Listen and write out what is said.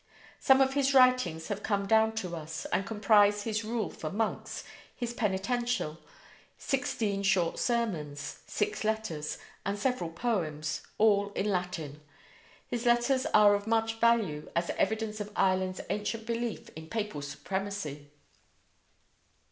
Some of his writings have come down to us, and comprise his Rule for Monks, his Penitential, sixteen short sermons, six letters, and several poems, all in Latin. His letters are of much value as evidence of Ireland's ancient belief in papal supremacy.